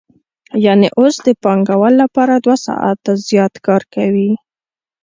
یانې اوس د پانګوال لپاره دوه ساعته زیات کار کوي